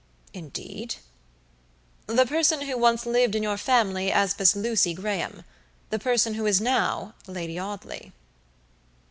"Indeed." "The person who once lived in your family as Miss Lucy Graham; the person who is now Lady Audley."